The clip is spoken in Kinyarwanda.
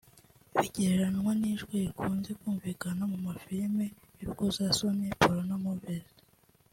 bigereranywa n’ijwi rikunze kumvika mu mafilime y’urukozasoni (porn movies)